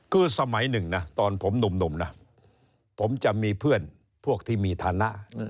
คือสมัยหนึ่งนะตอนผมหนุ่มนะผมจะมีเพื่อนพวกที่มีฐานะ